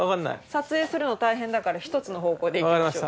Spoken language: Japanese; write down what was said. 撮影するの大変だから１つの方向で行きましょう。